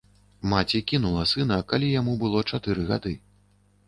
Маці кінула сына, калі яму было чатыры гады.